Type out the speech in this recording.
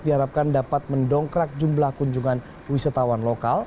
diharapkan dapat mendongkrak jumlah kunjungan wisatawan lokal